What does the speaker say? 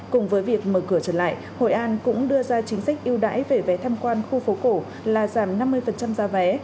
cùng với việc mở cửa trở lại hội an cũng đưa ra chính sách ưu đãi về vé tham quan khu phố cổ là giảm năm mươi giá vé